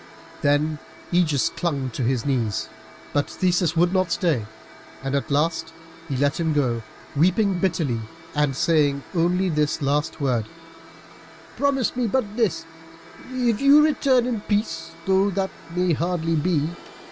Then Ægeus clung to his knees, but Theseus would not stay, and at last he let him go, weeping bitterly, and saying only this last word, "Promise me but this, if you return in peace, though that may hardly be.